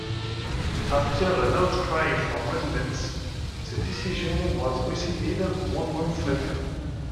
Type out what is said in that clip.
After an outcry from residents, the decision was rescinded one month later.